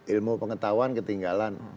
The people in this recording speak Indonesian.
ilmu pengetahuan ketinggalan